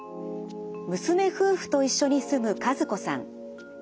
娘夫婦と一緒に住む和子さん。